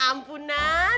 kalau sampai gue dikeluarin